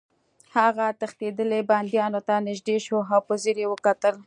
هغه تښتېدلي بندیانو ته نږدې شو او په ځیر یې وکتل